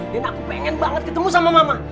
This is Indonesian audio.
dan aku pengen banget ketemu sama mama